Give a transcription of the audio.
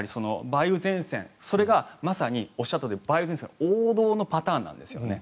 梅雨前線それがおっしゃったとおり梅雨前線が王道のパターンなんですよね。